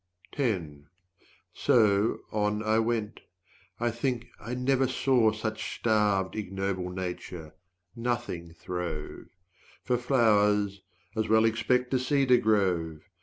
So, on I went. I think I never saw 55 Such starved ignoble nature; nothing throve; For flowers as well expect a cedar grove!